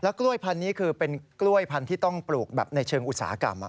กล้วยพันธุ์นี้คือเป็นกล้วยพันธุ์ที่ต้องปลูกแบบในเชิงอุตสาหกรรม